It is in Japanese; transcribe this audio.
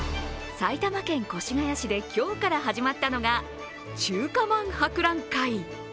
埼玉県越谷市で今日から始まったのが中華まん博覧会。